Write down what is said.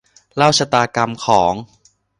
เล่าชะตากรรมของ